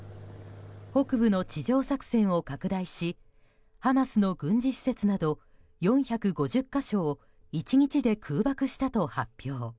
北部の地上作戦を拡大しハマスの軍事施設など４５０か所を１日で空爆したと発表。